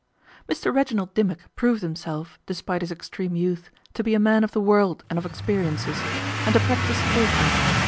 MR REGINALD DIMMOCK proved himself, despite his extreme youth, to be a man of the world and of experiences, and a practised talker.